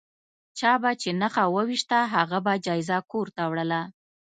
چا به چې نښه وویشته هغه به جایزه کور ته وړله.